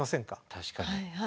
確かに。